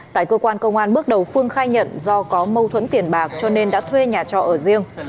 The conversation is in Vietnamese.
tại cơ quan công an bước đầu phương khai nhận do có mâu thuẫn tiền bạc cho nên đã thuê nhà trọ ở riêng